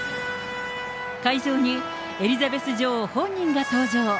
会場にエリザベス女王本人が登場。